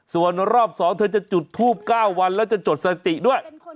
ส่วนรอบ๒เธอจะจุดทูป๙วันแล้วจะจดสติด้วย